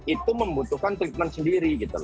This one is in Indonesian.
itu membutuhkan treatment sendiri